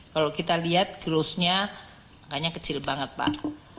kalau kita lihat grossnya makanya kecil banget pak